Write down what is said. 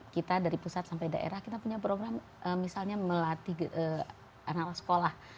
kita dari pusat sampai daerah kita punya program misalnya melatih anak anak sekolah